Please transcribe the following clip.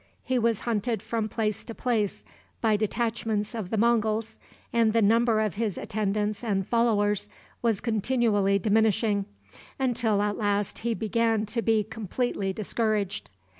He was hunted from place to place by detachments of the Monguls, and the number of his attendants and followers was continually diminishing, until at last he began to be completely discouraged.